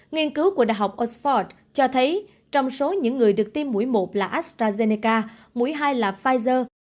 nghiên cứu của đại học oxford cho thấy trong số những người được tiêm mũi một là astrazeneca mũi hai là pfizer